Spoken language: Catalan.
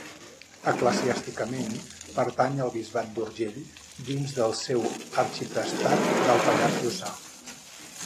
Eclesiàsticament, pertany al Bisbat d'Urgell, dins del seu arxiprestat del Pallars Jussà.